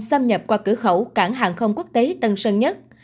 xâm nhập qua cửa khẩu cảng hàng không quốc tế tân sơn nhất